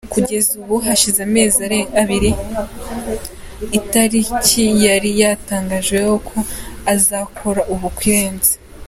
Kugeza ubu, hashize amezi arenga abiri itariki yari yatangajeho ko azakora ubukwe irenze.